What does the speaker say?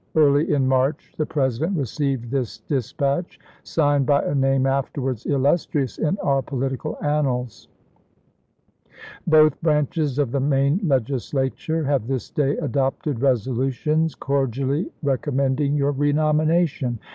Early in March the President received this dispatch, signed by a name afterwards illustrious in our political annals :" Both branches of the Maine Legislature have this day adopted resolutions cor dially recommending your renomination.